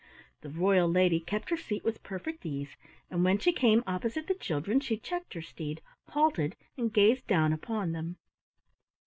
The royal lady kept her seat with perfect ease, and when she came opposite the children, she checked her steed, halted, and gazed down upon them.